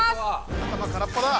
頭空っぽだあ！